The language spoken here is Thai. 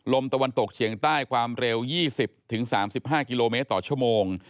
ตะวันตกเฉียงใต้ความเร็ว๒๐๓๕กิโลเมตรต่อชั่วโมง